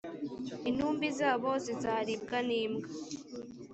intumbi zabo zizaribwa nimbwa.